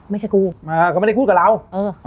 ไม่ใช่กูอ่าก็ไม่ได้พูดกับเราเออเออ